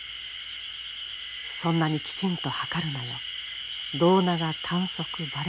そんなにきちんと測るなよ胴長短足ばれるから」。